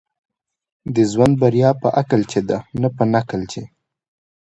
د ژوند بريا په عقل کي ده، نه په نقل کي.